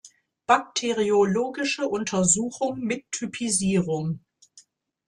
Bakteriologische Untersuchung mit Typisierung.